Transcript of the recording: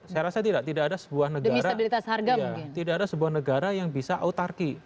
saya rasa tidak tidak ada sebuah negara yang bisa autarki